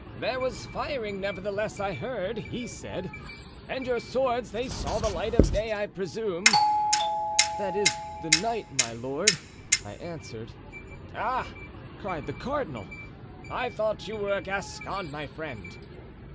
"'There was firing, nevertheless, I heard,' he said; 'and your swords—they saw the light of day, I presume?' "'That is, the night, my lord,' I answered. "'Ah!' cried the cardinal, 'I thought you were a Gascon, my friend?